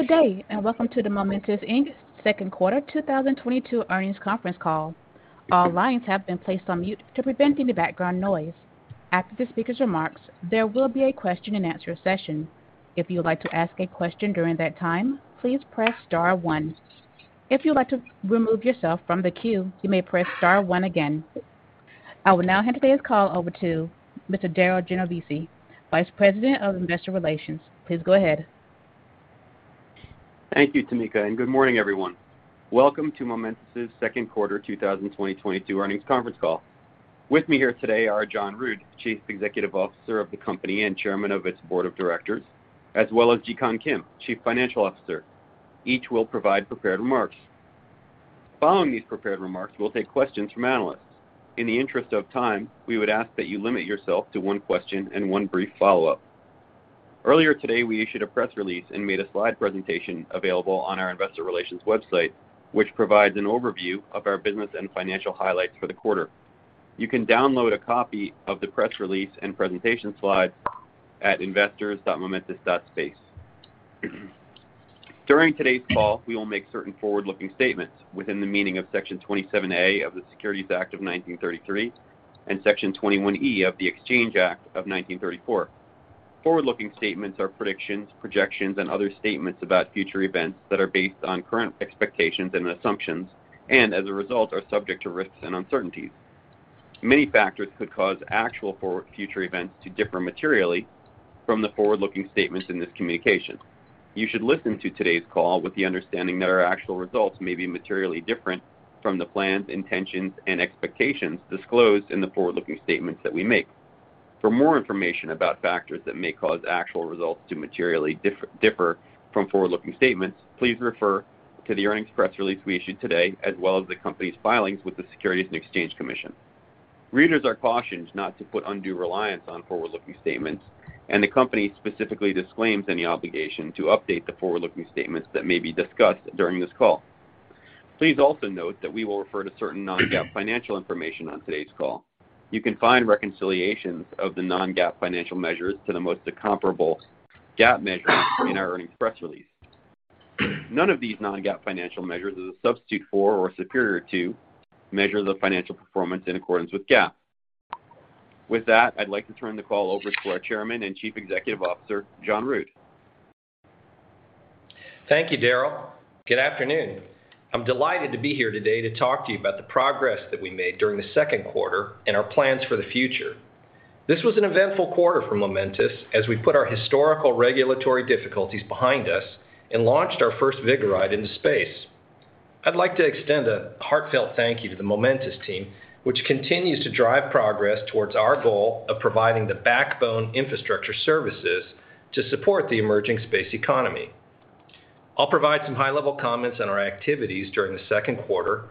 Good day, and welcome to the Momentus Inc.'s second quarter 2022 earnings conference call. All lines have been placed on mute to prevent any background noise. After the speaker's remarks, there will be a question-and-answer session. If you would like to ask a question during that time, please press star one. If you would like to remove yourself from the queue, you may press star one again. I will now hand today's call over to Mr. Darryl Genovesi, Vice President of Investor Relations. Please go ahead. Thank you, Tamika, and good morning, everyone. Welcome to Momentus' second quarter 2022 earnings conference call. With me here today are John Rood, Chief Executive Officer of the company and Chairman of its Board of Directors, as well as Jikun Kim, Chief Financial Officer. Each will provide prepared remarks. Following these prepared remarks, we'll take questions from analysts. In the interest of time, we would ask that you limit yourself to one question and one brief follow-up. Earlier today, we issued a press release and made a slide presentation available on our investor relations website, which provides an overview of our business and financial highlights for the quarter. You can download a copy of the press release and presentation slides at investors.momentus.space. During today's call, we will make certain forward-looking statements within the meaning of Section 27A of the Securities Act of 1933 and Section 21E of the Exchange Act of 1934. Forward-looking statements are predictions, projections, and other statements about future events that are based on current expectations and assumptions, and as a result, are subject to risks and uncertainties. Many factors could cause actual future events to differ materially from the forward-looking statements in this communication. You should listen to today's call with the understanding that our actual results may be materially different from the plans, intentions, and expectations disclosed in the forward-looking statements that we make. For more information about factors that may cause actual results to materially differ from forward-looking statements, please refer to the earnings press release we issued today, as well as the company's filings with the Securities and Exchange Commission. Readers are cautioned not to put undue reliance on forward-looking statements, and the company specifically disclaims any obligation to update the forward-looking statements that may be discussed during this call. Please also note that we will refer to certain non-GAAP financial information on today's call. You can find reconciliations of the non-GAAP financial measures to the most comparable GAAP measures in our earnings press release. None of these non-GAAP financial measures is a substitute for or superior to measures of the financial performance in accordance with GAAP. With that, I'd like to turn the call over to our Chairman and Chief Executive Officer, John Rood. Thank you, Darryl. Good afternoon. I'm delighted to be here today to talk to you about the progress that we made during the second quarter and our plans for the future. This was an eventful quarter for Momentus as we put our historical regulatory difficulties behind us and launched our first Vigoride into space. I'd like to extend a heartfelt thank you to the Momentus team, which continues to drive progress towards our goal of providing the backbone infrastructure services to support the emerging space economy. I'll provide some high-level comments on our activities during the second quarter.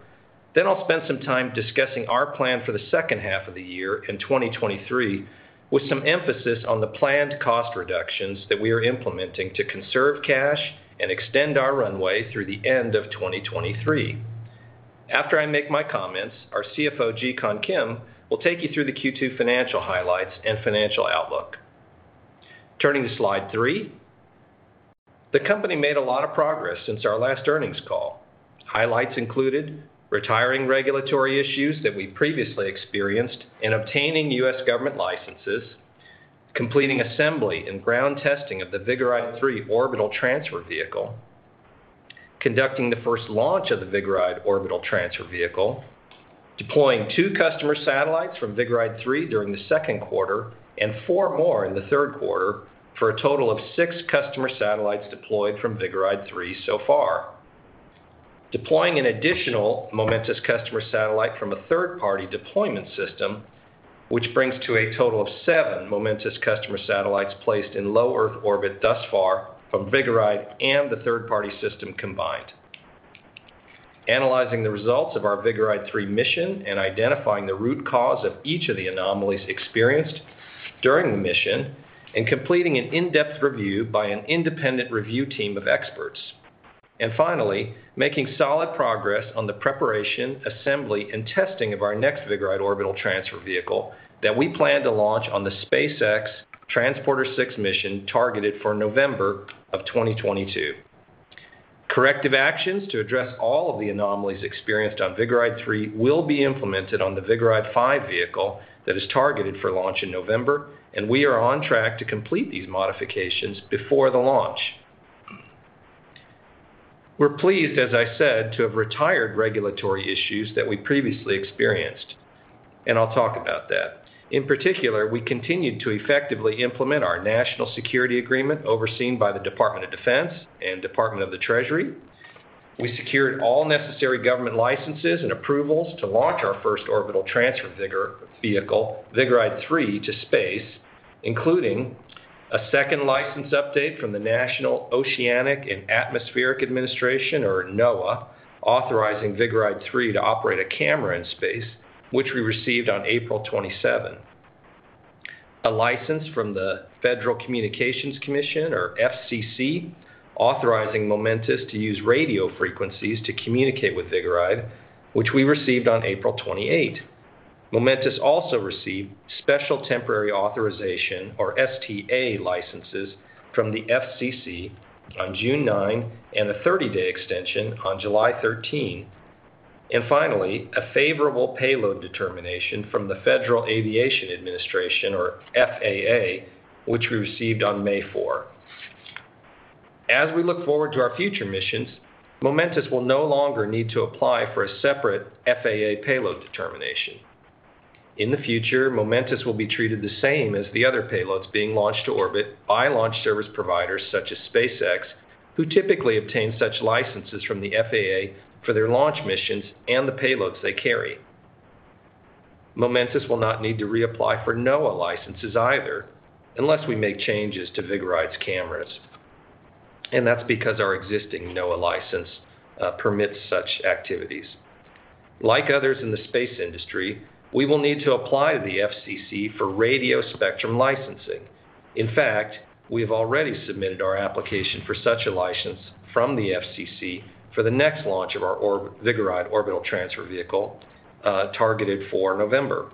I'll spend some time discussing our plan for the second half of the year in 2023, with some emphasis on the planned cost reductions that we are implementing to conserve cash and extend our runway through the end of 2023. After I make my comments, our CFO, Jikun Kim, will take you through the Q2 financial highlights and financial outlook. Turning to slide three. The company made a lot of progress since our last earnings call. Highlights included retiring regulatory issues that we previously experienced and obtaining U.S. government licenses, completing assembly and ground testing of the Vigoride-3 orbital transfer vehicle, conducting the first launch of the Vigoride orbital transfer vehicle, deploying two customer satellites from Vigoride-3 during the second quarter and four more in the third quarter for a total of six customer satellites deployed from Vigoride-3 so far. Deploying an additional Momentus customer satellite from a third-party deployment system, which brings to a total of seven Momentus customer satellites placed in low Earth orbit thus far from Vigoride and the third-party system combined. Analyzing the results of our Vigoride-3 mission and identifying the root cause of each of the anomalies experienced during the mission and completing an in-depth review by an independent review team of experts. Finally, making solid progress on the preparation, assembly, and testing of our next Vigoride Orbital Transfer Vehicle that we plan to launch on the SpaceX Transporter-6 mission targeted for November 2022. Corrective actions to address all of the anomalies experienced on Vigoride-3 will be implemented on the Vigoride-5 vehicle that is targeted for launch in November, and we are on track to complete these modifications before the launch. We're pleased, as I said, to have retired regulatory issues that we previously experienced, and I'll talk about that. In particular, we continued to effectively implement our National Security Agreement overseen by the Department of Defense and Department of the Treasury. We secured all necessary government licenses and approvals to launch our first orbital transfer Vigoride vehicle, Vigoride-3 to space, including a second license update from the National Oceanic and Atmospheric Administration, or NOAA, authorizing Vigoride-3 to operate a camera in space, which we received on April 27. A license from the Federal Communications Commission, or FCC, authorizing Momentus to use radio frequencies to communicate with Vigoride, which we received on April 28. Momentus also received special temporary authorization or STA licenses from the FCC on June 9 and a thirty-day extension on July 13. Finally, a favorable payload determination from the Federal Aviation Administration, or FAA, which we received on May 4. As we look forward to our future missions, Momentus will no longer need to apply for a separate FAA payload determination. In the future, Momentus will be treated the same as the other payloads being launched to orbit by launch service providers such as SpaceX, who typically obtain such licenses from the FAA for their launch missions and the payloads they carry. Momentus will not need to reapply for NOAA licenses either unless we make changes to Vigoride's cameras, and that's because our existing NOAA license permits such activities. Like others in the space industry, we will need to apply to the FCC for radio spectrum licensing. In fact, we have already submitted our application for such a license from the FCC for the next launch of our Vigoride orbital transfer vehicle, targeted for November.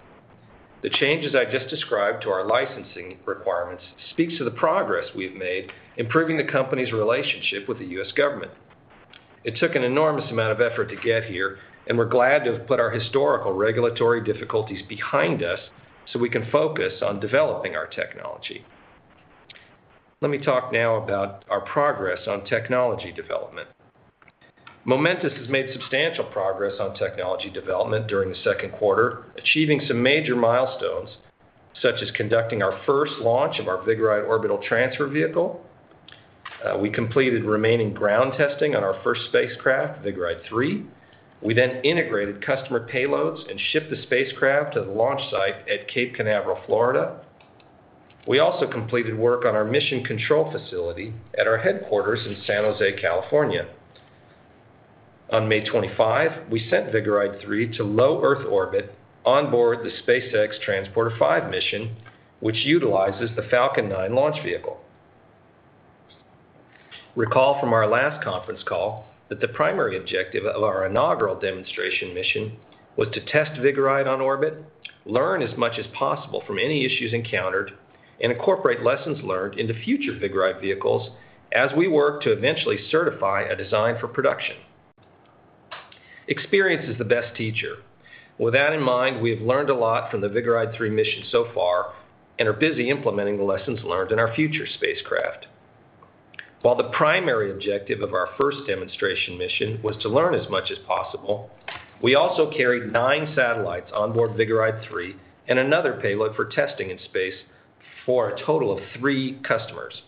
The changes I just described to our licensing requirements speaks to the progress we've made improving the company's relationship with the U.S. government. It took an enormous amount of effort to get here, and we're glad to have put our historical regulatory difficulties behind us so we can focus on developing our technology. Let me talk now about our progress on technology development. Momentus has made substantial progress on technology development during the second quarter, achieving some major milestones, such as conducting our first launch of our Vigoride orbital transfer vehicle. We completed remaining ground testing on our first spacecraft, Vigoride-3. We then integrated customer payloads and shipped the spacecraft to the launch site at Cape Canaveral, Florida. We also completed work on our mission control facility at our headquarters in San Jose, California. On May 25, we sent Vigoride-3 to low Earth orbit onboard the SpaceX Transporter-5 mission, which utilizes the Falcon 9 launch vehicle. Recall from our last conference call that the primary objective of our inaugural demonstration mission was to test Vigoride on orbit, learn as much as possible from any issues encountered, and incorporate lessons learned into future Vigoride vehicles as we work to eventually certify a design for production. Experience is the best teacher. With that in mind, we have learned a lot from the Vigoride-3 mission so far and are busy implementing the lessons learned in our future spacecraft. While the primary objective of our first demonstration mission was to learn as much as possible, we also carried nine satellites on board Vigoride-3 and another payload for testing in space for a total of three customers.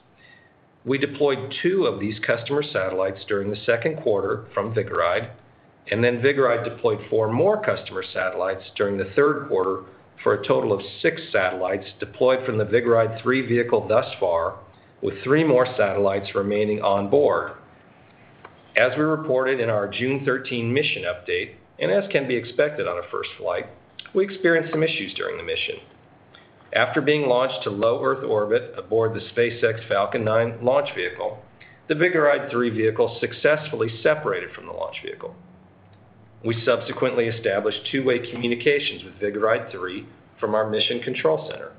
We deployed two of these customer satellites during the second quarter from Vigoride, and then Vigoride deployed four more customer satellites during the third quarter for a total of six satellites deployed from the Vigoride-3 vehicle thus far, with three more satellites remaining on board. As we reported in our June 13 mission update, as can be expected on a first flight, we experienced some issues during the mission. After being launched to low Earth orbit aboard the SpaceX Falcon 9 launch vehicle, the Vigoride-3 vehicle successfully separated from the launch vehicle. We subsequently established two-way communications with Vigoride-3 from our mission control center.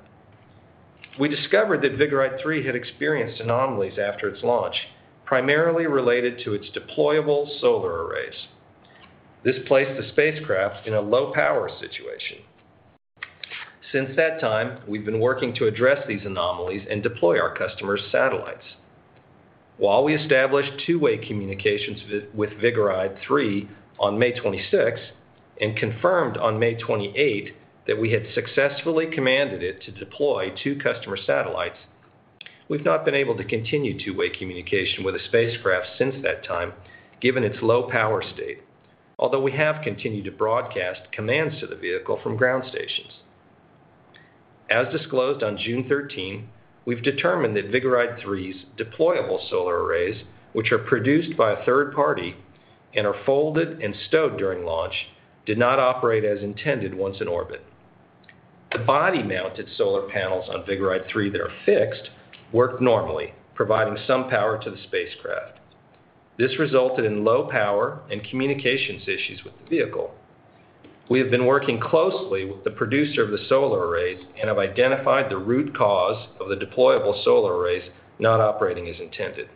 We discovered that Vigoride-3 had experienced anomalies after its launch, primarily related to its deployable solar arrays. This placed the spacecraft in a low power situation. Since that time, we've been working to address these anomalies and deploy our customers' satellites. While we established two-way communications with Vigoride-3 on May 26 and confirmed on May 28 that we had successfully commanded it to deploy two customer satellites, we've not been able to continue two-way communication with the spacecraft since that time, given its low power state, although we have continued to broadcast commands to the vehicle from ground stations. As disclosed on June 13, we've determined that Vigoride-3's deployable solar arrays, which are produced by a third party and are folded and stowed during launch, did not operate as intended once in orbit. The body-mounted solar panels on Vigoride-3 that are fixed worked normally, providing some power to the spacecraft. This resulted in low power and communications issues with the vehicle. We have been working closely with the producer of the solar arrays and have identified the root cause of the deployable solar arrays not operating as intended,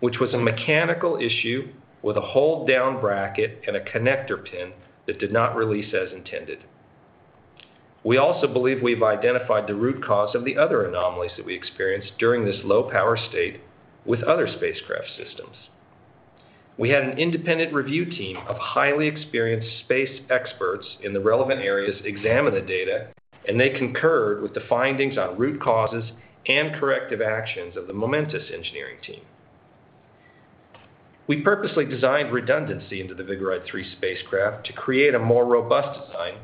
which was a mechanical issue with a hold-down bracket and a connector pin that did not release as intended. We also believe we've identified the root cause of the other anomalies that we experienced during this low power state with other spacecraft systems. We had an independent review team of highly experienced space experts in the relevant areas examine the data, and they concurred with the findings on root causes and corrective actions of the Momentus engineering team. We purposely designed redundancy into the Vigoride-3 spacecraft to create a more robust design,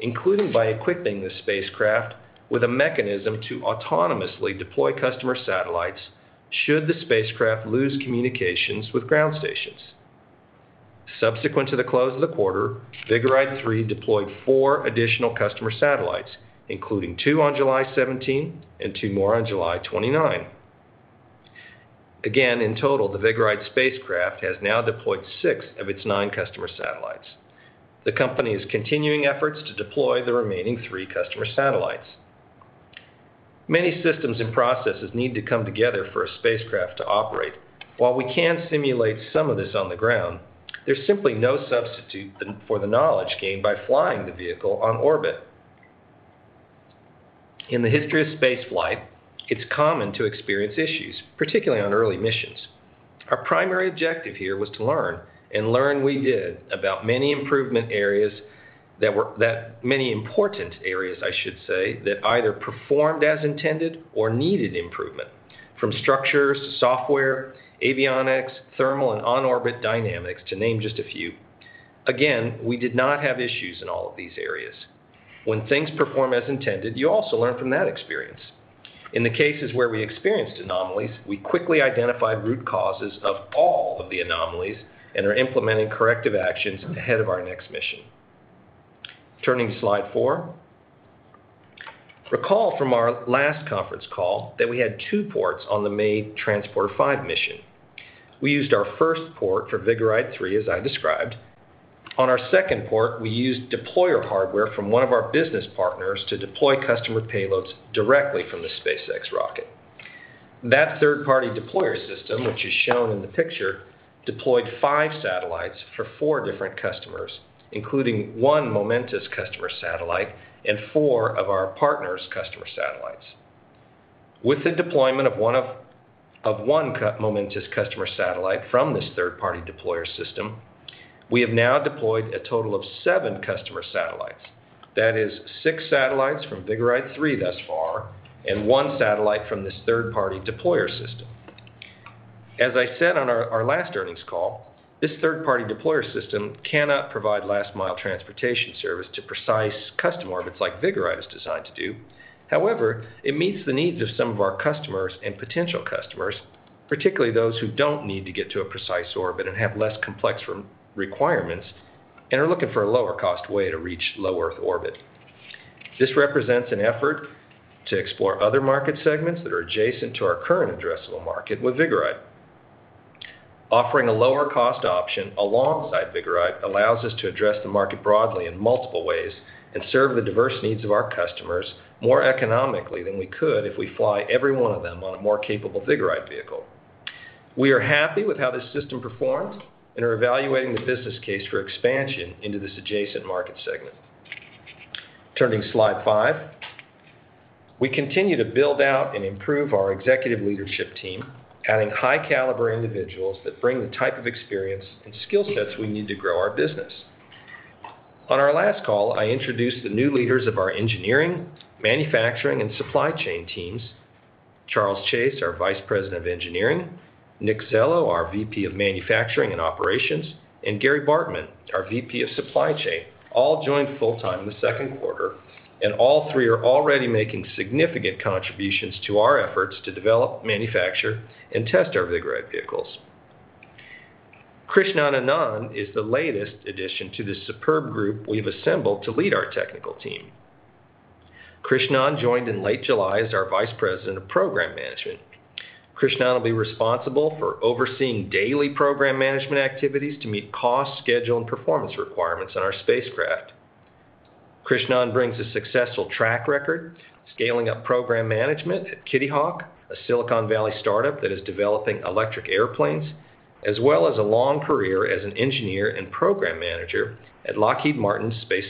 including by equipping the spacecraft with a mechanism to autonomously deploy customer satellites should the spacecraft lose communications with ground stations. Subsequent to the close of the quarter, Vigoride-3 deployed four additional customer satellites, including 2 on July 17 and two more on July 29. Again, in total, the Vigoride spacecraft has now deployed six of its nine customer satellites. The company is continuing efforts to deploy the remaining three customer satellites. Many systems and processes need to come together for a spacecraft to operate. While we can simulate some of this on the ground, there's simply no substitute for the knowledge gained by flying the vehicle on orbit. In the history of space flight, it's common to experience issues, particularly on early missions. Our primary objective here was to learn, and learn we did, about many important areas, I should say, that either performed as intended or needed improvement, from structures to software, avionics, thermal, and on-orbit dynamics, to name just a few. Again, we did not have issues in all of these areas. When things perform as intended, you also learn from that experience. In the cases where we experienced anomalies, we quickly identified root causes of all of the anomalies and are implementing corrective actions ahead of our next mission. Turning to slide four. Recall from our last conference call that we had two ports on the main Transporter-5 mission. We used our first port for Vigoride-3, as I described. On our second port, we used deployer hardware from one of our business partners to deploy customer payloads directly from the SpaceX rocket. That third-party deployer system, which is shown in the picture, deployed five satellites for four different customers, including one Momentus customer satellite and four of our partner's customer satellites. With the deployment of one Momentus customer satellite from this third-party deployer system, we have now deployed a total of seven customer satellites. That is six satellites from Vigoride-3 thus far and one satellite from this third-party deployer system. As I said on our last earnings call, this third-party deployer system cannot provide last-mile transportation service to precise customer orbits like Vigoride is designed to do. However, it meets the needs of some of our customers and potential customers, particularly those who don't need to get to a precise orbit and have less complex requirements and are looking for a lower-cost way to reach low Earth orbit. This represents an effort to explore other market segments that are adjacent to our current addressable market with Vigoride. Offering a lower-cost option alongside Vigoride allows us to address the market broadly in multiple ways and serve the diverse needs of our customers more economically than we could if we fly every one of them on a more capable Vigoride vehicle. We are happy with how this system performed and are evaluating the business case for expansion into this adjacent market segment. Turning to slide five. We continue to build out and improve our executive leadership team, adding high-caliber individuals that bring the type of experience and skill sets we need to grow our business. On our last call, I introduced the new leaders of our engineering, manufacturing, and supply chain teams. Charles Chase, our Vice President of Engineering, Nick Zello, our VP of Manufacturing and Operations, and Gary Bartmann, our VP of Supply Chain, all joined full time in the second quarter, and all three are already making significant contributions to our efforts to develop, manufacture, and test our Vigoride vehicles. Krishnan Anand is the latest addition to the superb group we've assembled to lead our technical team. Krishnan joined in late July as our Vice President of Program Management. Krishnan will be responsible for overseeing daily program management activities to meet cost, schedule, and performance requirements on our spacecraft. Krishnan brings a successful track record, scaling up program management at Kitty Hawk, a Silicon Valley startup that is developing electric airplanes, as well as a long career as an engineer and program manager at Lockheed Martin Space.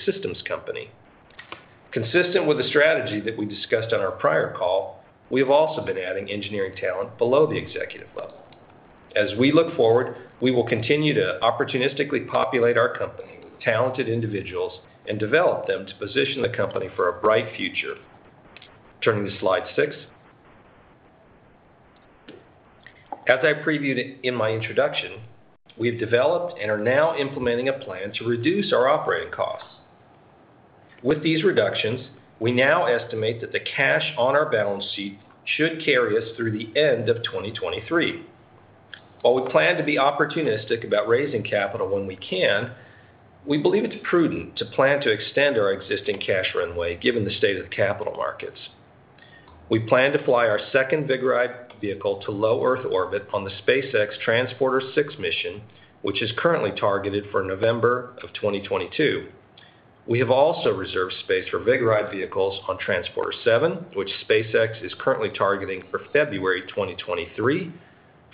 Consistent with the strategy that we discussed on our prior call, we have also been adding engineering talent below the executive level. As we look forward, we will continue to opportunistically populate our company with talented individuals and develop them to position the company for a bright future. Turning to slide six. As I previewed in my introduction, we have developed and are now implementing a plan to reduce our operating costs. With these reductions, we now estimate that the cash on our balance sheet should carry us through the end of 2023. While we plan to be opportunistic about raising capital when we can, we believe it's prudent to plan to extend our existing cash runway given the state of the capital markets. We plan to fly our second Vigoride vehicle to low Earth orbit on the SpaceX Transporter-6 mission, which is currently targeted for November of 2022. We have also reserved space for Vigoride vehicles on Transporter-7, which SpaceX is currently targeting for February 2023,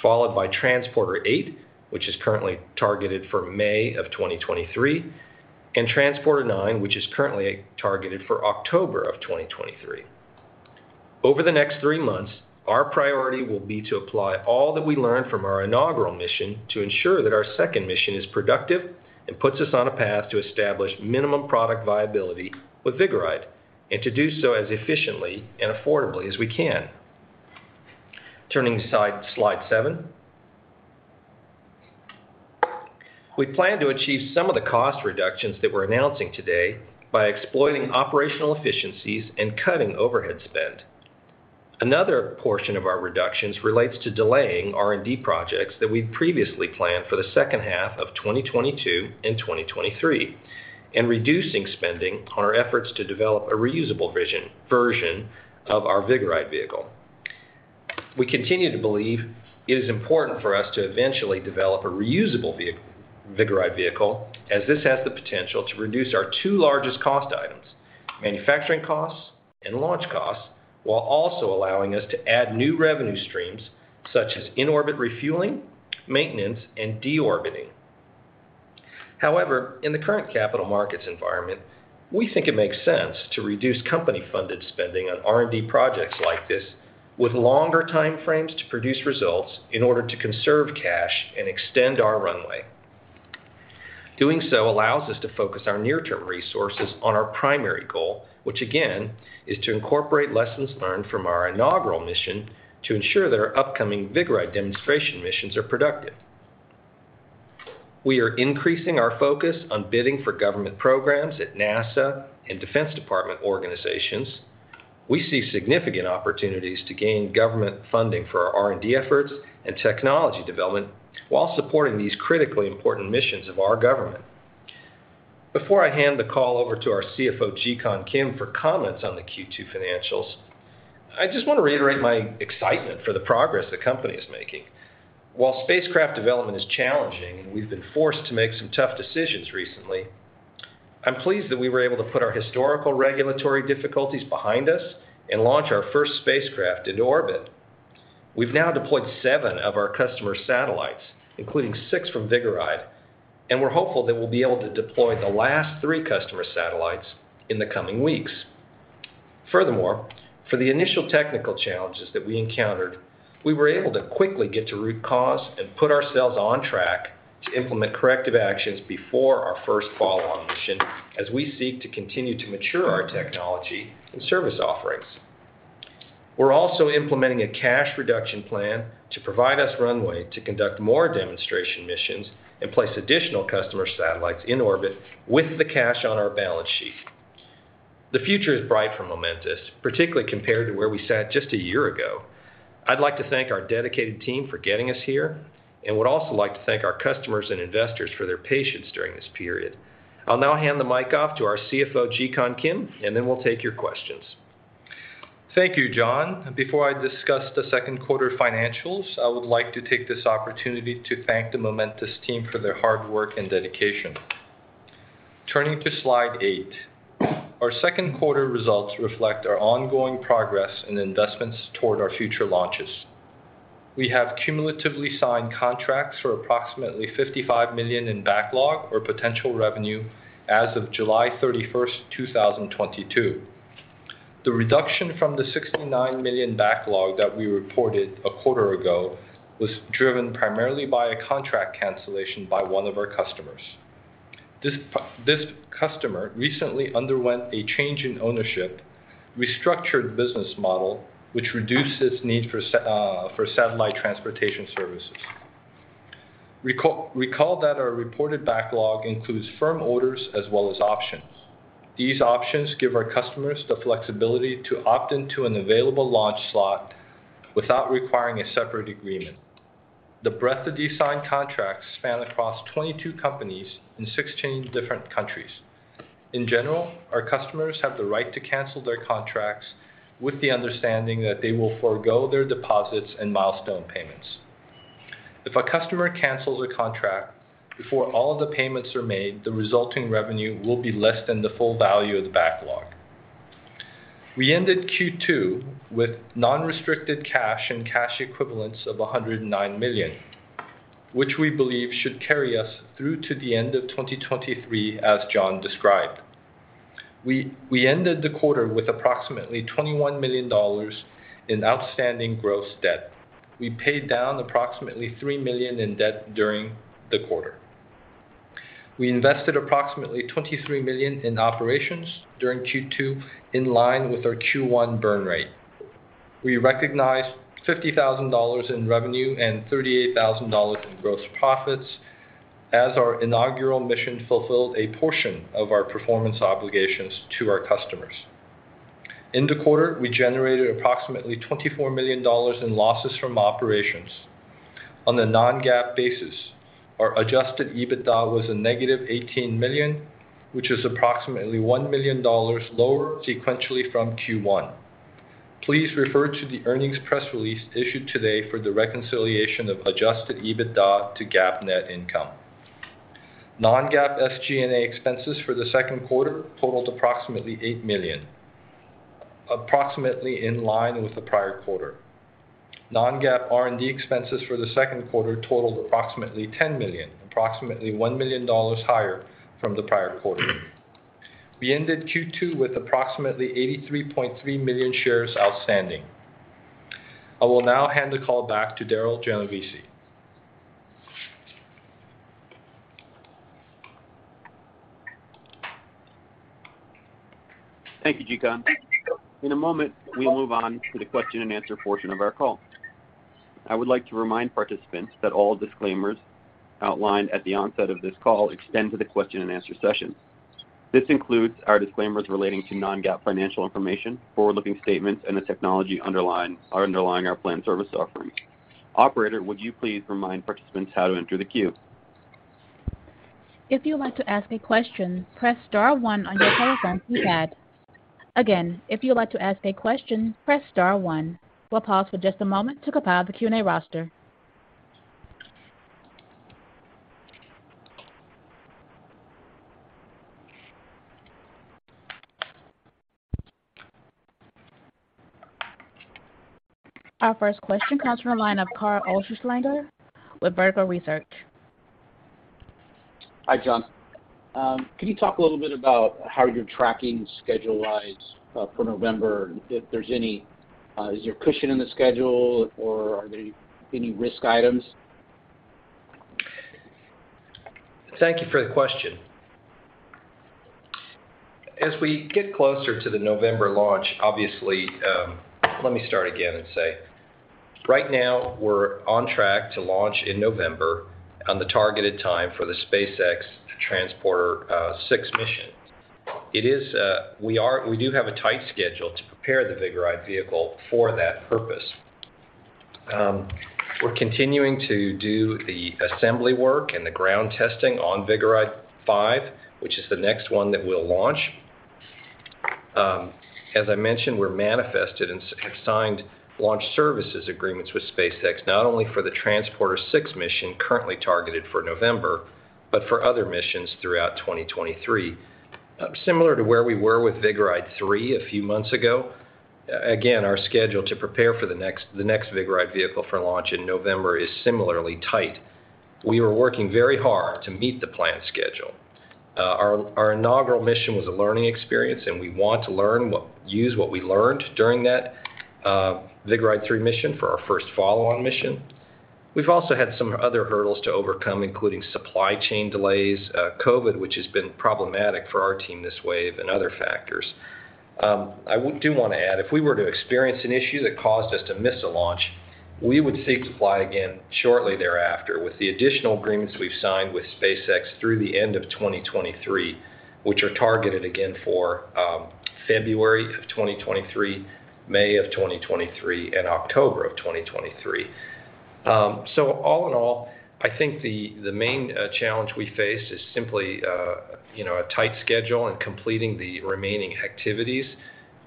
followed by Transporter-8, which is currently targeted for May 2023, and Transporter-9, which is currently targeted for October 2023. Over the next three months, our priority will be to apply all that we learned from our inaugural mission to ensure that our second mission is productive and puts us on a path to establish minimum product viability with Vigoride and to do so as efficiently and affordably as we can. Turning to slide seven. We plan to achieve some of the cost reductions that we're announcing today by exploiting operational efficiencies and cutting overhead spend. Another portion of our reductions relates to delaying R&D projects that we'd previously planned for the second half of 2022 and 2023, reducing spending on our efforts to develop a reusable version of our Vigoride vehicle. We continue to believe it is important for us to eventually develop a reusable Vigoride vehicle, as this has the potential to reduce our two largest cost items, manufacturing costs and launch costs, while also allowing us to add new revenue streams such as in-orbit refueling, maintenance, and de-orbiting. However, in the current capital markets environment, we think it makes sense to reduce company-funded spending on R&D projects like this with longer time frames to produce results in order to conserve cash and extend our runway. Doing so allows us to focus our near-term resources on our primary goal, which again is to incorporate lessons learned from our inaugural mission to ensure that our upcoming Vigoride demonstration missions are productive. We are increasing our focus on bidding for government programs at NASA and Department of Defense organizations. We see significant opportunities to gain government funding for our R&D efforts and technology development while supporting these critically important missions of our government. Before I hand the call over to our CFO, Jikun Kim, for comments on the Q2 financials, I just want to reiterate my excitement for the progress the company is making. While spacecraft development is challenging, and we've been forced to make some tough decisions recently, I'm pleased that we were able to put our historical regulatory difficulties behind us and launch our first spacecraft into orbit. We've now deployed seven of our customer satellites, including 6 from Vigoride, and we're hopeful that we'll be able to deploy the last three customer satellites in the coming weeks. Furthermore, for the initial technical challenges that we encountered, we were able to quickly get to root cause and put ourselves on track to implement corrective actions before our first follow-on mission as we seek to continue to mature our technology and service offerings. We're also implementing a cash reduction plan to provide us runway to conduct more demonstration missions and place additional customer satellites in orbit with the cash on our balance sheet. The future is bright for Momentus, particularly compared to where we sat just a year ago. I'd like to thank our dedicated team for getting us here and would also like to thank our customers and investors for their patience during this period. I'll now hand the mic off to our CFO, Jikun Kim, and then we'll take your questions. Thank you, John. Before I discuss the second quarter financials, I would like to take this opportunity to thank the Momentus team for their hard work and dedication. Turning to slide eight, our second quarter results reflect our ongoing progress and investments toward our future launches. We have cumulatively signed contracts for approximately $55 million in backlog or potential revenue as of July 31st, 2022. The reduction from the $69 million backlog that we reported a quarter ago was driven primarily by a contract cancellation by one of our customers. This customer recently underwent a change in ownership, restructured business model, which reduced its need for satellite transportation services. Recall that our reported backlog includes firm orders as well as options. These options give our customers the flexibility to opt into an available launch slot without requiring a separate agreement. The breadth of these signed contracts span across 22 companies in 16 different countries. In general, our customers have the right to cancel their contracts with the understanding that they will forgo their deposits and milestone payments. If a customer cancels a contract before all the payments are made, the resulting revenue will be less than the full value of the backlog. We ended Q2 with unrestricted cash and cash equivalents of $109 million, which we believe should carry us through to the end of 2023, as Jon described. We ended the quarter with approximately $21 million in outstanding gross debt. We paid down approximately $3 million in debt during the quarter. We invested approximately $23 million in operations during Q2, in line with our Q1 burn rate. We recognized $50,000 in revenue and $38,000 in gross profits as our inaugural mission fulfilled a portion of our performance obligations to our customers. In the quarter, we generated approximately $24 million in losses from operations. On a non-GAAP basis, our adjusted EBITDA was a negative $18 million, which is approximately $1 million lower sequentially from Q1. Please refer to the earnings press release issued today for the reconciliation of adjusted EBITDA to GAAP net income. Non-GAAP SG&A expenses for the second quarter totaled approximately $8 million, approximately in line with the prior quarter. Non-GAAP R&D expenses for the second quarter totaled approximately $10 million, approximately $1 million higher from the prior quarter. We ended Q2 with approximately 83.3 million shares outstanding. I will now hand the call back to Darryl Genovesi. Thank you, Jikun. In a moment, we will move on to the question-and-answer portion of our call. I would like to remind participants that all disclaimers outlined at the onset of this call extend to the question-and-answer session. This includes our disclaimers relating to non-GAAP financial information, forward-looking statements, and the technology underlying our planned service offering. Operator, would you please remind participants how to enter the queue? If you would like to ask a question, press star one on your telephone keypad. Again, if you would like to ask a question, press star one. We'll pause for just a moment to compile the Q&A roster. Our first question comes from a line of Carl Olszewski with Berenberg Research. Hi, John. Can you talk a little bit about how you're tracking schedule-wise for November and if there's any, is there a cushion in the schedule or are there any risk items? Thank you for the question. As we get closer to the November launch, obviously, let me start again and say, right now we're on track to launch in November on the targeted time for the SpaceX Transporter-6 mission. We do have a tight schedule to prepare the Vigoride vehicle for that purpose. We're continuing to do the assembly work and the ground testing on Vigoride-5, which is the next one that we'll launch. As I mentioned, we're manifested and have signed launch services agreements with SpaceX, not only for the Transporter-6 mission currently targeted for November, but for other missions throughout 2023. Similar to where we were with Vigoride-3 a few months ago, again, our schedule to prepare for the next Vigoride vehicle for launch in November is similarly tight. We are working very hard to meet the planned schedule. Our inaugural mission was a learning experience, and we want to use what we learned during that Vigoride-3 mission for our first follow-on mission. We've also had some other hurdles to overcome, including supply chain delays, COVID, which has been problematic for our team this wave and other factors. I do wanna add, if we were to experience an issue that caused us to miss a launch, we would seek to fly again shortly thereafter with the additional agreements we've signed with SpaceX through the end of 2023, which are targeted again for February of 2023, May of 2023, and October of 2023. All in all, I think the main challenge we face is simply you know, a tight schedule and completing the remaining activities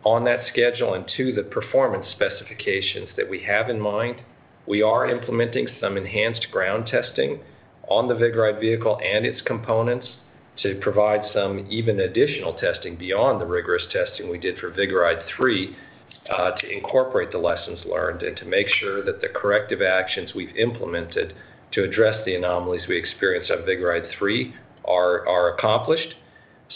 on that schedule and to the performance specifications that we have in mind. We are implementing some enhanced ground testing on the Vigoride vehicle and its components to provide some even additional testing beyond the rigorous testing we did for Vigoride-3, to incorporate the lessons learned and to make sure that the corrective actions we've implemented to address the anomalies we experienced on Vigoride-3 are accomplished.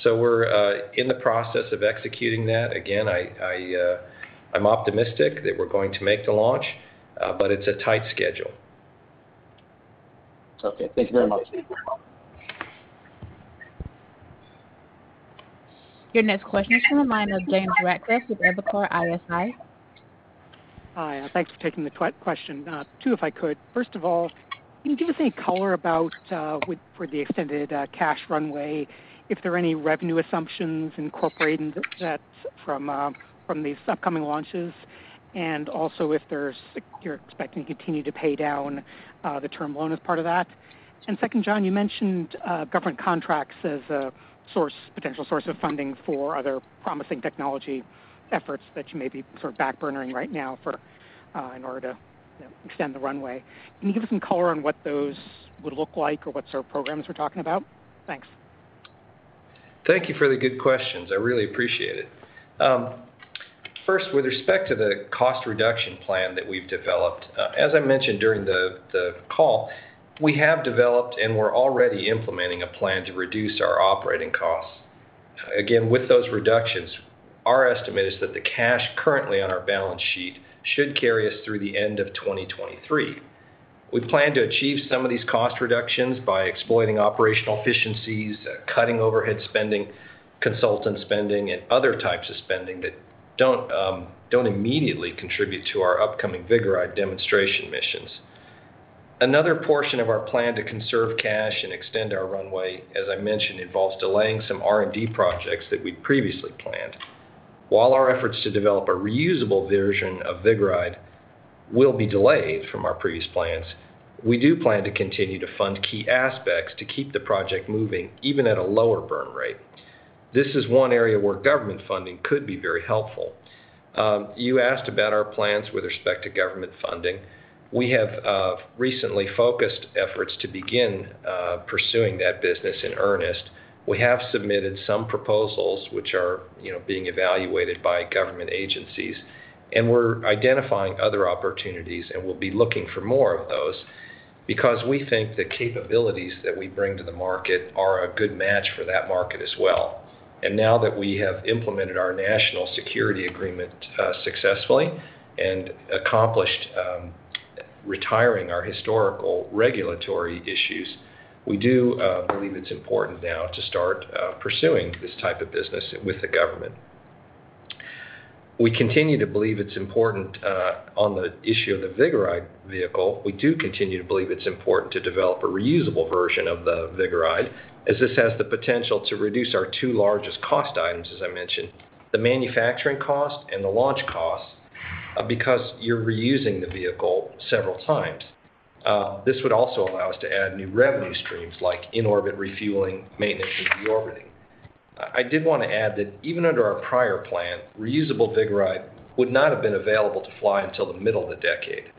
We're in the process of executing that. Again, I'm optimistic that we're going to make the launch, but it's a tight schedule. Okay. Thank you very much. You're welcome. Your next question is from the line of James Ratcliffe with Evercore ISI. Hi. Thanks for taking the question. Two, if I could. First of all, can you give us any color about the extended cash runway, if there are any revenue assumptions incorporating that from these upcoming launches? Also, if you're expecting to continue to pay down the term loan as part of that. Second, John, you mentioned government contracts as a potential source of funding for other promising technology efforts that you may be sort of backburnering right now in order to, you know, extend the runway. Can you give us some color on what those would look like or what sort of programs we're talking about? Thanks. Thank you for the good questions. I really appreciate it. First, with respect to the cost reduction plan that we've developed, as I mentioned during the call, we have developed and we're already implementing a plan to reduce our operating costs. Again, with those reductions, our estimate is that the cash currently on our balance sheet should carry us through the end of 2023. We plan to achieve some of these cost reductions by exploiting operational efficiencies, cutting overhead spending, consultant spending, and other types of spending that don't immediately contribute to our upcoming Vigoride demonstration missions. Another portion of our plan to conserve cash and extend our runway, as I mentioned, involves delaying some R&D projects that we previously planned. While our efforts to develop a reusable version of Vigoride will be delayed from our previous plans, we do plan to continue to fund key aspects to keep the project moving, even at a lower burn rate. This is one area where government funding could be very helpful. You asked about our plans with respect to government funding. We have recently focused efforts to begin pursuing that business in earnest. We have submitted some proposals which are, you know, being evaluated by government agencies, and we're identifying other opportunities, and we'll be looking for more of those because we think the capabilities that we bring to the market are a good match for that market as well. Now that we have implemented our National Security Agreement successfully and accomplished retiring our historical regulatory issues, we do believe it's important now to start pursuing this type of business with the government. We continue to believe it's important on the issue of the Vigoride vehicle, we do continue to believe it's important to develop a reusable version of the Vigoride, as this has the potential to reduce our two largest cost items, as I mentioned, the manufacturing cost and the launch cost. Because you're reusing the vehicle several times. This would also allow us to add new revenue streams, like in-orbit refueling, maintenance, and deorbiting. I did want to add that even under our prior plan, reusable Vigoride would not have been available to fly until the middle of the decade.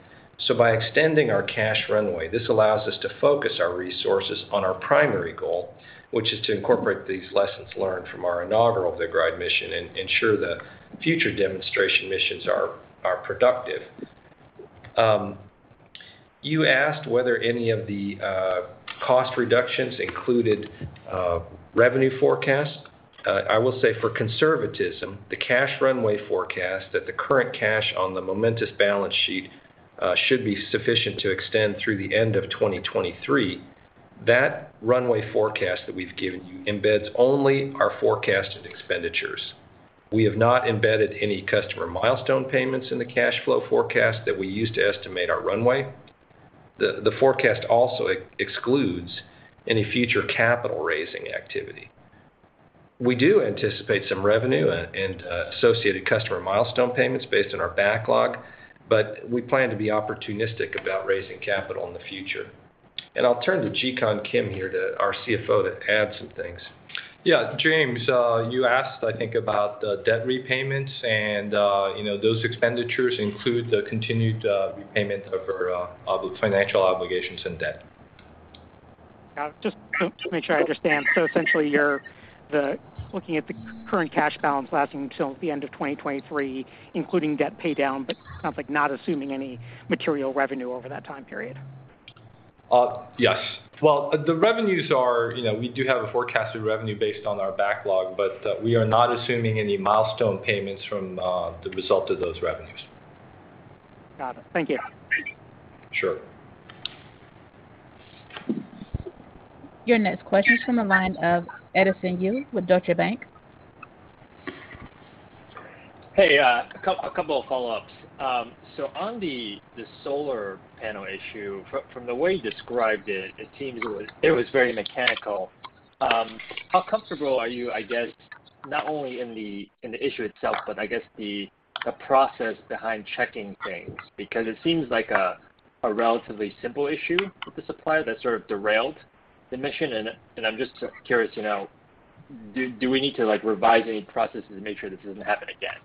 By extending our cash runway, this allows us to focus our resources on our primary goal, which is to incorporate these lessons learned from our inaugural Vigoride mission and ensure that future demonstration missions are productive. You asked whether any of the cost reductions included revenue forecast. I will say for conservatism, the cash runway forecast that the current cash on the Momentus balance sheet should be sufficient to extend through the end of 2023. That runway forecast that we've given you embeds only our forecasted expenditures. We have not embedded any customer milestone payments in the cash flow forecast that we used to estimate our runway. The forecast also excludes any future capital raising activity. We do anticipate some revenue and associated customer milestone payments based on our backlog, but we plan to be opportunistic about raising capital in the future. I'll turn to Jikun Kim here, to our CFO, to add some things. Yeah, James, you asked, I think, about debt repayments and, you know, those expenditures include the continued repayment of our other financial obligations and debt. Just to make sure I understand. Essentially you're looking at the current cash balance lasting till the end of 2023, including debt pay down, but sounds like not assuming any material revenue over that time period. Yes. Well, the revenues are, you know, we do have a forecasted revenue based on our backlog, but we are not assuming any milestone payments from the result of those revenues. Got it. Thank you. Sure. Your next question's from the line of Edison Yu with Deutsche Bank. Hey, a couple of follow-ups. On the solar panel issue, from the way you described it seems it was very mechanical. How comfortable are you, I guess, not only in the issue itself, but I guess the process behind checking things? Because it seems like a relatively simple issue with the supplier that sort of derailed the mission. I'm just curious, you know, do we need to, like, revise any processes to make sure this doesn't happen again?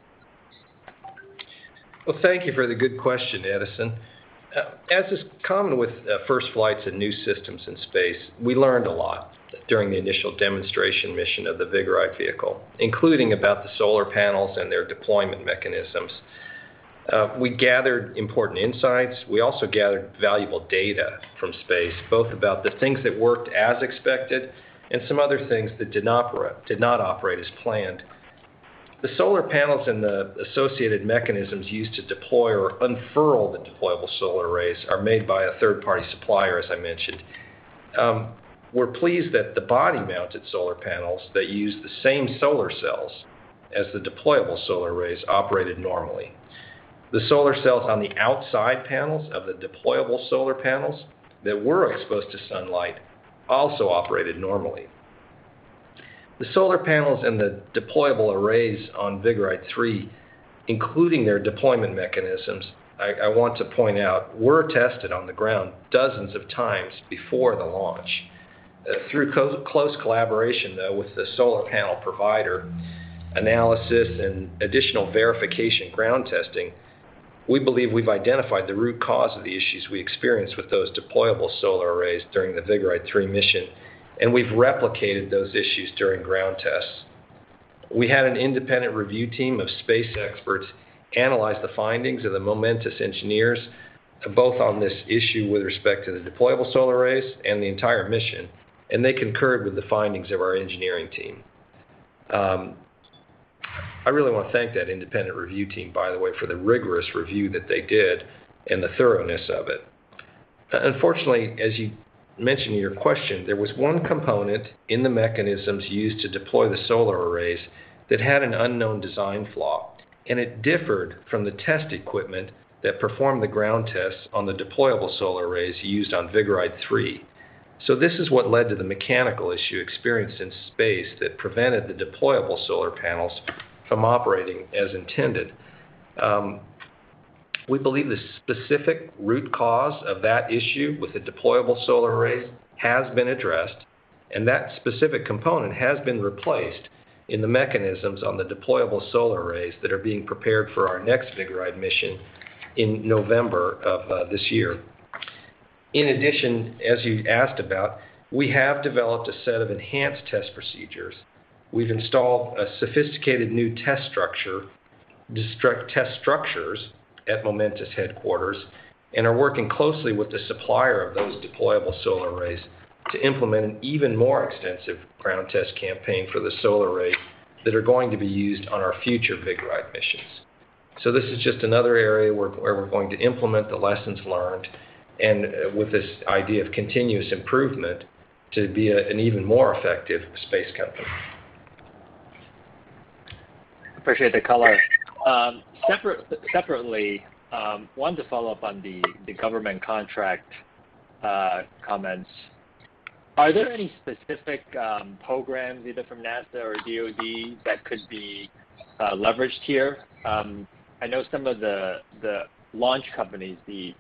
Well, thank you for the good question, Edison. As is common with first flights and new systems in space, we learned a lot during the initial demonstration mission of the Vigoride vehicle, including about the solar panels and their deployment mechanisms. We gathered important insights. We also gathered valuable data from space, both about the things that worked as expected and some other things that did not operate as planned. The solar panels and the associated mechanisms used to deploy or unfurl the deployable solar arrays are made by a third-party supplier, as I mentioned. We're pleased that the body-mounted solar panels that use the same solar cells as the deployable solar arrays operated normally. The solar cells on the outside panels of the deployable solar panels that were exposed to sunlight also operated normally. The solar panels and the deployable arrays on Vigoride-3, including their deployment mechanisms, I want to point out, were tested on the ground dozens of times before the launch. Through close collaboration, though, with the solar panel provider, analysis, and additional verification ground testing, we believe we've identified the root cause of the issues we experienced with those deployable solar arrays during the Vigoride-3 mission, and we've replicated those issues during ground tests. We had an independent review team of space experts analyze the findings of the Momentus engineers, both on this issue with respect to the deployable solar arrays and the entire mission, and they concurred with the findings of our engineering team. I really wanna thank that independent review team, by the way, for the rigorous review that they did and the thoroughness of it. Unfortunately, as you mentioned in your question, there was one component in the mechanisms used to deploy the solar arrays that had an unknown design flaw, and it differed from the test equipment that performed the ground tests on the deployable solar arrays used on Vigoride-3. This is what led to the mechanical issue experienced in space that prevented the deployable solar panels from operating as intended. We believe the specific root cause of that issue with the deployable solar arrays has been addressed, and that specific component has been replaced in the mechanisms on the deployable solar arrays that are being prepared for our next Vigoride mission in November of this year. In addition, as you asked about, we have developed a set of enhanced test procedures. We've installed a sophisticated new test structure, test structures at Momentus headquarters and are working closely with the supplier of those deployable solar arrays to implement an even more extensive ground test campaign for the solar array that are going to be used on our future Vigoride missions. This is just another area where we're going to implement the lessons learned and with this idea of continuous improvement to be an even more effective space company. Appreciate the color. Separately, wanted to follow up on the government contract comments. Are there any specific programs either from NASA or DoD that could be leveraged here? I know some of the launch companies, the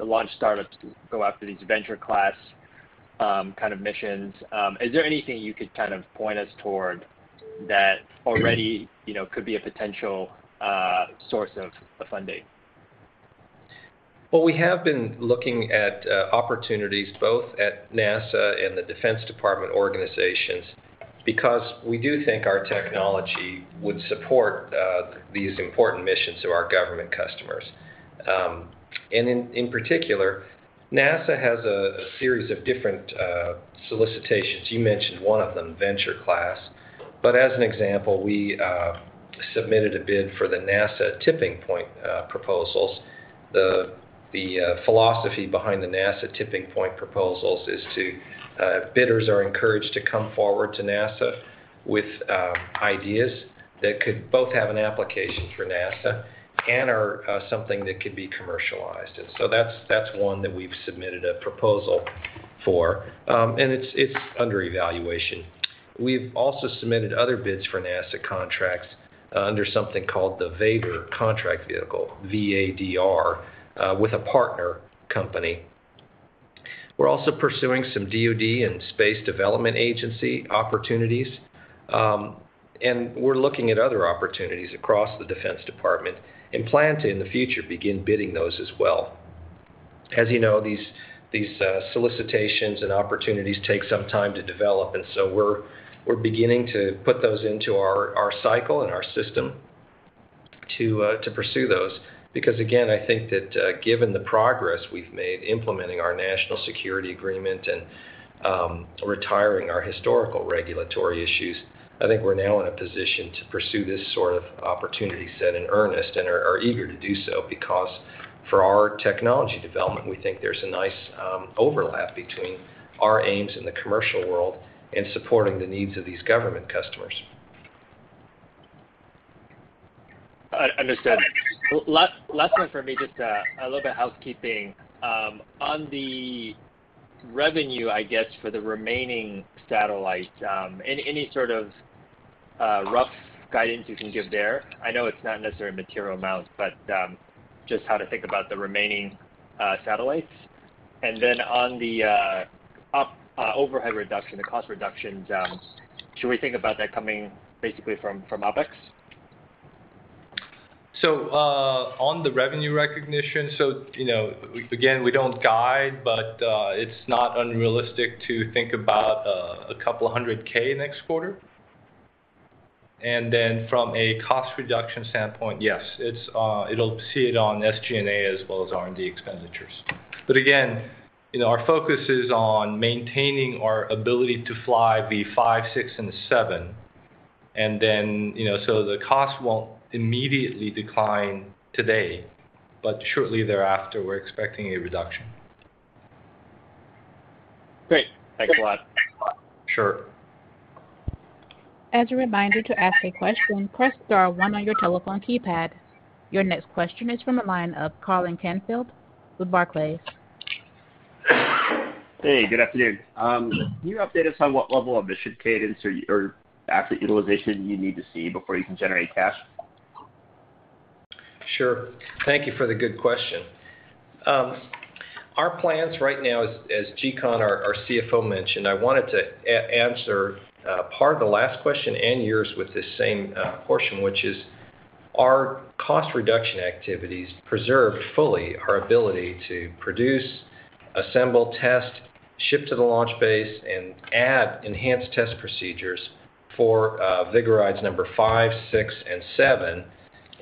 launch startups go after these venture class kind of missions. Is there anything you could kind of point us toward that already, you know, could be a potential source of funding? Well, we have been looking at opportunities both at NASA and the Department of Defense organizations because we do think our technology would support these important missions to our government customers. In particular, NASA has a series of different solicitations. You mentioned one of them, venture class. As an example, we submitted a bid for the NASA Tipping Point proposals. The philosophy behind the NASA Tipping Point proposals is bidders are encouraged to come forward to NASA with ideas that could both have an application for NASA and are something that could be commercialized. That's one that we've submitted a proposal for. It's under evaluation. We've also submitted other bids for NASA contracts under something called the VADR contract vehicle, V-A-D-R, with a partner company. We're also pursuing some DoD and Space Development Agency opportunities, and we're looking at other opportunities across the Department of Defense and plan to, in the future, begin bidding those as well. As you know, these solicitations and opportunities take some time to develop, and so we're beginning to put those into our cycle and our system to pursue those. Because again, I think that, given the progress we've made implementing our National Security Agreement and retiring our historical regulatory issues, I think we're now in a position to pursue this sort of opportunity set in earnest and are eager to do so. Because for our technology development, we think there's a nice overlap between our aims in the commercial world and supporting the needs of these government customers. Understood. Last one for me, just a little bit of housekeeping. On the revenue, I guess, for the remaining satellites, any sort of rough guidance you can give there? I know it's not necessarily a material amount, but just how to think about the remaining satellites. On the overhead reduction, the cost reductions, should we think about that coming basically from OpEx? On the revenue recognition, you know, again, we don't guide, but it's not unrealistic to think about $200K next quarter. From a cost reduction standpoint, yes, it'll see it on SG&A as well as R&D expenditures. Again, you know, our focus is on maintaining our ability to fly V-5, V-6, and V-7. Then, you know, the cost won't immediately decline today, but shortly thereafter, we're expecting a reduction. Great. Thanks a lot. Sure. As a reminder, to ask a question, press star one on your telephone keypad. Your next question is from the line of Colin Canfield with Barclays. Hey, good afternoon. Can you update us on what level of mission cadence or asset utilization you need to see before you can generate cash? Sure. Thank you for the good question. Our plans right now, as Jikun Kim, our CFO mentioned, I wanted to answer part of the last question and yours with the same portion, which is our cost reduction activities preserve fully our ability to produce, assemble, test, ship to the launch base, and add enhanced test procedures for Vigoride-5, Vigoride-6, and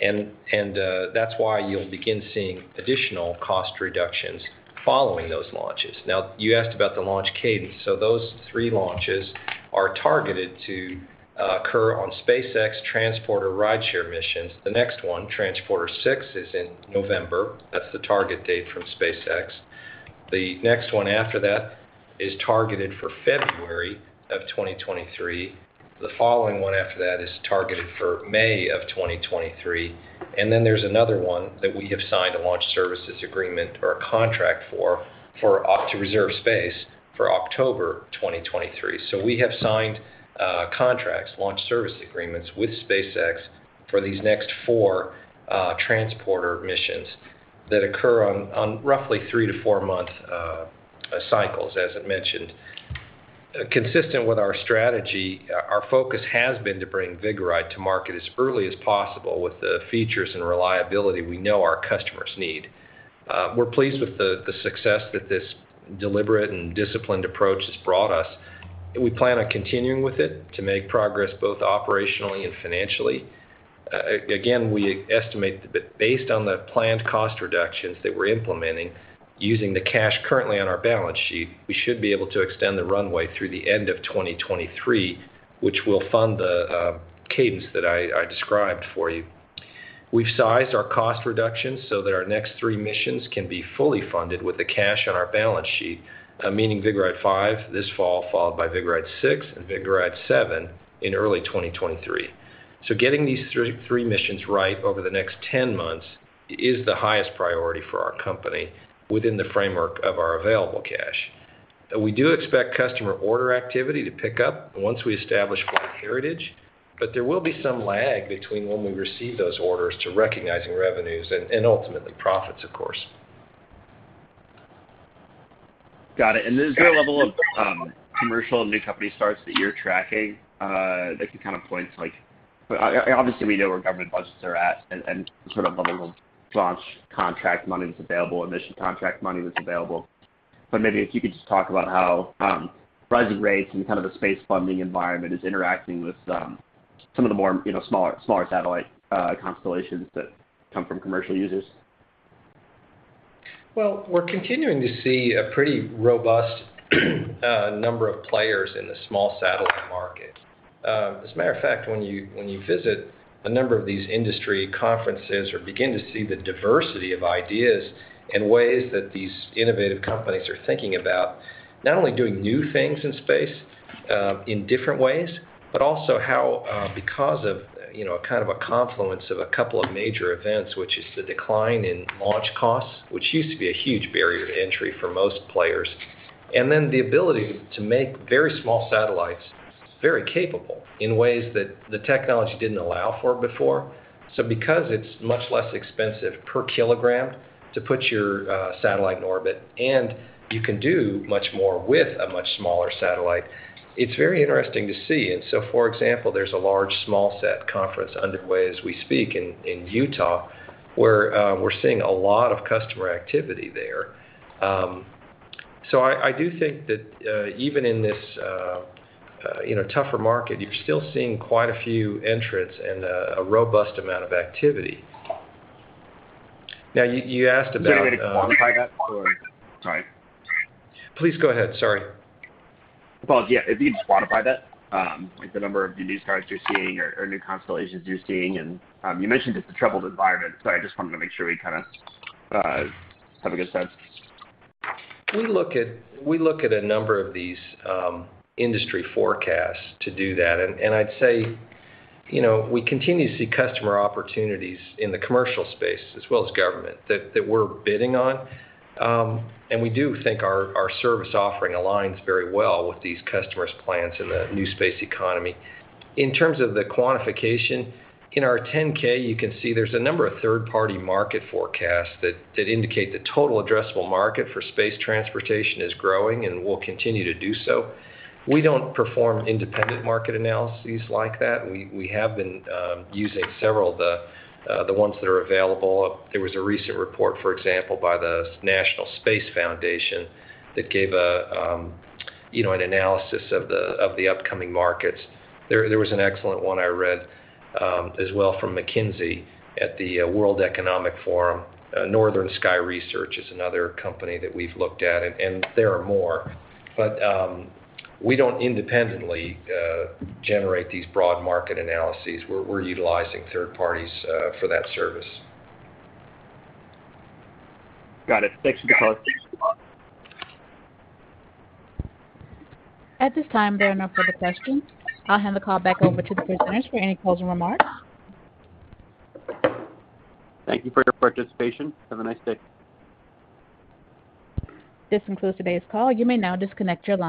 Vigoride-7. That's why you'll begin seeing additional cost reductions following those launches. Now, you asked about the launch cadence. Those three launches are targeted to occur on SpaceX Transporter rideshare missions. The next one, Transporter-6, is in November. That's the target date from SpaceX. The next one after that is targeted for February 2023. The following one after that is targeted for May 2023. There's another one that we have signed a launch services agreement or a contract for, to reserve space for October 2023. We have signed contracts, launch service agreements with SpaceX for these next four transporter missions that occur on roughly three- to four-month cycles, as I mentioned. Consistent with our strategy, our focus has been to bring Vigoride to market as early as possible with the features and reliability we know our customers need. We're pleased with the success that this deliberate and disciplined approach has brought us. We plan on continuing with it to make progress both operationally and financially. Again, we estimate that based on the planned cost reductions that we're implementing, using the cash currently on our balance sheet, we should be able to extend the runway through the end of 2023, which will fund the cadence that I described for you. We've sized our cost reductions so that our next three missions can be fully funded with the cash on our balance sheet, meaning Vigoride-5 this fall, followed by Vigoride-6 and Vigoride-7 in early 2023. Getting these three missions right over the next 10 months is the highest priority for our company within the framework of our available cash. We do expect customer order activity to pick up once we establish flight heritage, but there will be some lag between when we receive those orders to recognizing revenues and ultimately profits, of course. Got it. Is there a level of commercial new company starts that you're tracking that can kind of point to like? Obviously we know where government budgets are at and sort of level of launch contract money that's available and mission contract money that's available. Maybe if you could just talk about how rising rates and kind of the space funding environment is interacting with some of the more, you know, smaller satellite constellations that come from commercial users. Well, we're continuing to see a pretty robust number of players in the small satellite market. As a matter of fact, when you visit a number of these industry conferences or begin to see the diversity of ideas and ways that these innovative companies are thinking about, not only doing new things in space in different ways, but also how, because of, you know, kind of a confluence of a couple of major events, which is the decline in launch costs, which used to be a huge barrier to entry for most players, and then the ability to make very small satellites very capable in ways that the technology didn't allow for before. Because it's much less expensive per kilogram to put your satellite in orbit, and you can do much more with a much smaller satellite, it's very interesting to see. For example, there's a large small sat conference underway as we speak in Utah, where we're seeing a lot of customer activity there. I do think that even in this, you know, tougher market, you're still seeing quite a few entrants and a robust amount of activity. Now, you asked about, Is there any way to quantify that? Sorry. Please go ahead. Sorry. Well, yeah, if you could quantify that, like the number of new starts you're seeing or new constellations you're seeing and you mentioned it's a troubled environment, so I just wanted to make sure we kinda have a good sense. We look at a number of these industry forecasts to do that. I'd say, you know, we continue to see customer opportunities in the commercial space as well as government that we're bidding on. We do think our service offering aligns very well with these customers' plans in the new space economy. In terms of the quantification, in our 10-K, you can see there's a number of third-party market forecasts that indicate the total addressable market for space transportation is growing and will continue to do so. We don't perform independent market analyses like that. We have been using several of the ones that are available. There was a recent report, for example, by the Space Foundation that gave a, you know, an analysis of the upcoming markets. There was an excellent one I read, as well from McKinsey at the World Economic Forum. Northern Sky Research is another company that we've looked at, and there are more. We don't independently generate these broad market analyses. We're utilizing third parties for that service. Got it. Thanks for the color. At this time, there are no further questions. I'll hand the call back over to the presenters for any closing remarks. Thank you for your participation. Have a nice day. This concludes today's call. You may now disconnect your line.